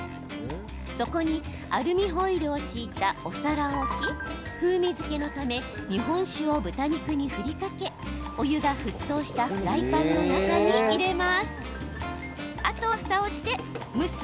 そこにアルミホイルを敷いたお皿を置き風味付けのため日本酒を豚肉に振りかけお湯が沸騰したフライパンの中に入れます。